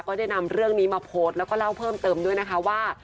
ได้นำเรื่องนี้มาโพสต์แล้วก็เล่าเพิ่มเติมด้วยนะคะว่า